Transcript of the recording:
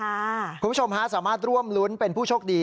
คุณผู้ชมฮะสามารถร่วมรุ้นเป็นผู้โชคดี